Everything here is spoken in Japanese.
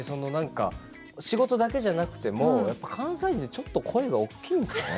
仕事だけじゃなくても関西人ちょっと声が大きいんですかね。